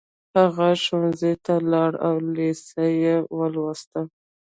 هغه ښوونځي ته لاړ او لېسه يې ولوسته.